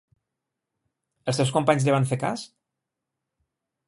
Els seus companys li van fer cas?